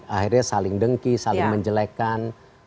akhirnya saling dengki saling menjelekan